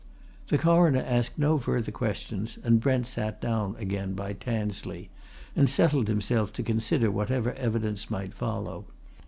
The Coroner asked no further questions, and Brent sat down again by Tansley, and settled himself to consider whatever evidence might follow.